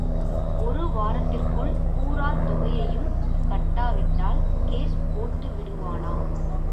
ஒரு வாரத்திற்குள் பூராத் தொகையையும் கட்டாவிட்டால் கேஸ் போட்டு விடுவானாம்.